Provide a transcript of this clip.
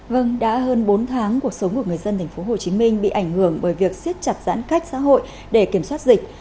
vâng đã hơn bốn tháng cuộc sống của người dân tp hcm bị ảnh hưởng bởi việc siết chặt giãn cách xã hội để kiểm soát dịch